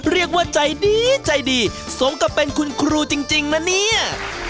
เรียกว่าใจดีใจดีสมกับเป็นคุณครูจริงนะเนี่ย